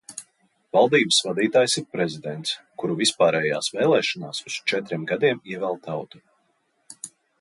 Valdības vadītājs ir prezidents, kuru vispārējās vēlēšanās uz četriem gadiem ievēl tauta.